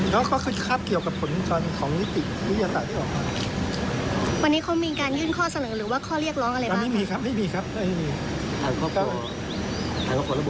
แล้วก็พอระบบว่าจะมีการไปกันหรือไม่มีครับไม่ได้กดตัดครับ